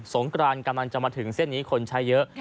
งกรานกำลังจะมาถึงเส้นนี้คนใช้เยอะ